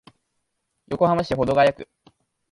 横浜市保土ケ谷区